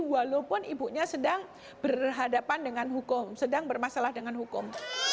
walaupun ibunya sedang berhadapan dengan hukum sedang bermasalah dengan hukum